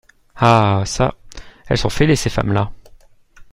Ah ! ça, elles sont fêlées, ces femmes-là !